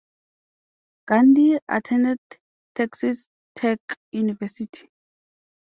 Gandy attended Texas Tech University.